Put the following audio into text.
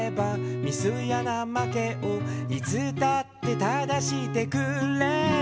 「ミスやなまけをいつだって正してくれる」